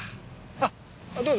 あどうぞ。